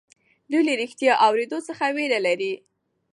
دوی له رښتيا اورېدو څخه وېره لري.